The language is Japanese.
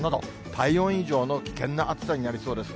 体温以上の危険な暑さになりそうです。